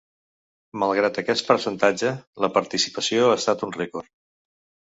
Malgrat aquest percentatge, la participació ha estat un rècord.